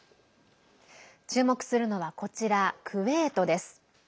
注目するのは、こちらクウェートです。